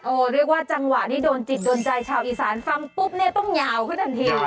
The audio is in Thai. เรียกว่าจังหวะนี้โดนจิตโดนใจชาวอีสานฟังปุ๊บเนี่ยต้องยาวขึ้นทันที